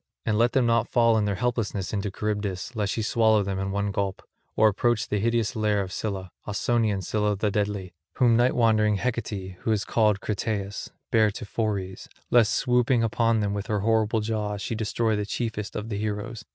And let them not fall in their helplessness into Charybdis lest she swallow them at one gulp, or approach the hideous lair of Scylla, Ausonian Scylla the deadly, whom night wandering Hecate, who is called Crataeis, bare to Phoreys, lest swooping upon them with her horrible jaws she destroy the chiefest of the heroes.